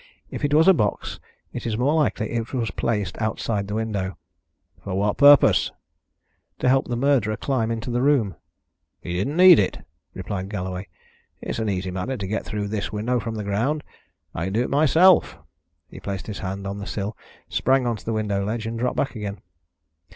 If it was a box, it is more likely it was placed outside the window." "For what purpose?" "To help the murderer climb into the room." "He didn't need it," replied Galloway. "It's an easy matter to get through this window from the ground. I can do it myself." He placed his hands on the sill, sprang on to the window ledge, and dropped back again.